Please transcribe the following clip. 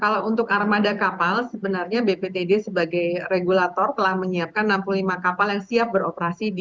kalau untuk armada kapal sebenarnya bptd sebagai regulator telah menyiapkan enam puluh lima kapal yang siap beroperasi di